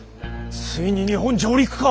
ついに日本上陸か！